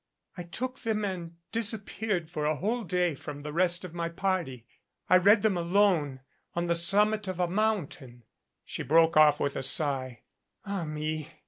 I took them and disappeared for a whole day from the rest of my party. I read them alone on the summit of a mountain." She broke off with a sigh. "Ah, me